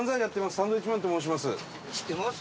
サンドウィッチマンと申します。